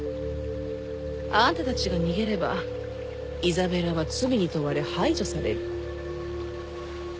あんたたちが逃げればイザベラは罪に問われ排除される。